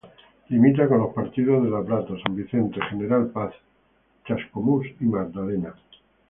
Limita con los partidos de La Plata, San Vicente, General Paz, Chascomús y Magdalena.